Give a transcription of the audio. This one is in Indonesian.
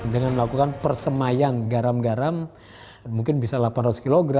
dengan melakukan persemayan garam garam mungkin bisa delapan ratus kg